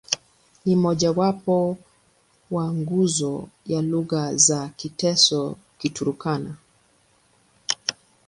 Ni mmojawapo wa nguzo ya lugha za Kiteso-Kiturkana.